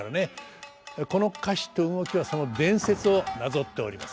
この歌詞と動きはその伝説をなぞっております。